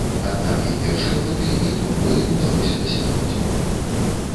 Аднак і першай мэты, і другой удалося дасягнуць.